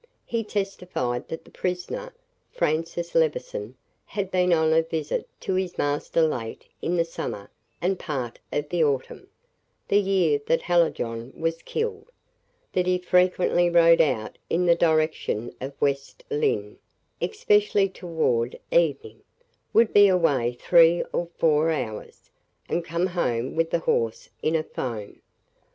He testified that the prisoner, Francis Levison had been on a visit to his master late in the summer and part of the autumn, the year that Hallijohn was killed. That he frequently rode out in the direction of West Lynne, especially toward evening; would be away three or four hours, and come home with the horse in a foam.